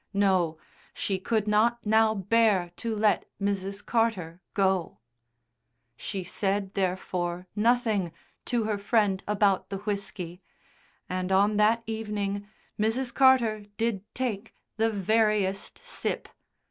No, she could not now bear to let Mrs. Carter go. She said, therefore, nothing to her friend about the whisky, and on that evening Mrs. Carter did take the "veriest sip."